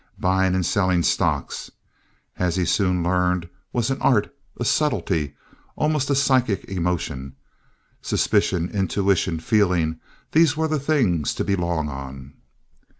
Buying and selling stocks, as he soon learned, was an art, a subtlety, almost a psychic emotion. Suspicion, intuition, feeling—these were the things to be "long" on.